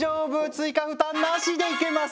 追加負担なしでいけます！